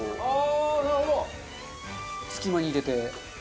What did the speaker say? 隙間に入れて。